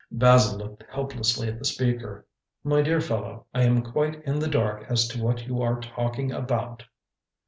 Basil looked helplessly at the speaker. "My dear fellow, I am quite in the dark as to what you are talking about."